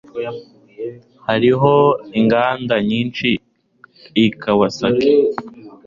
Hariho inganda nyinshi i Kawasaki.